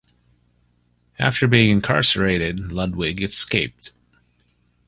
After being incarcerated, Ludwig escaped.